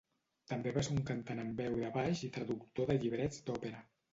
També va ser un cantant amb veu de baix i traductor de llibrets d'òpera.